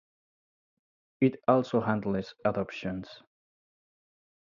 It also handles adoptions.